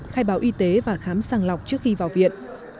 khai báo y tế và khám sàng lọc trước khi vào viện